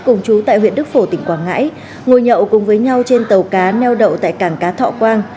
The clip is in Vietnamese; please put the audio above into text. cùng chú tại huyện đức phổ tỉnh quảng ngãi ngồi nhậu cùng với nhau trên tàu cá neo đậu tại cảng cá thọ quang